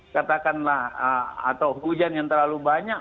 katakanlah atau hujan yang terlalu banyak